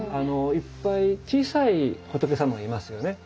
いっぱい小さい仏様がいますよね。